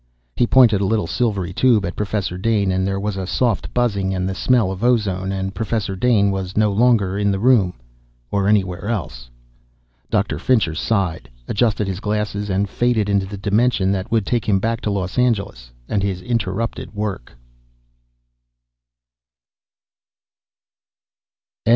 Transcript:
He pointed a little silvery tube at Professor Dane and there was a soft buzzing and the smell of ozone and Professor Dane was no longer in the room or anywhere else. Dr. Fincher sighed, adjusted his glasses and faded into the dimension that would take him back to Los Angeles and his interrupted work.